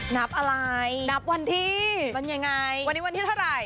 นับอะไรนับวันที่วันยังไงวันนี้วันที่เท่าไหร่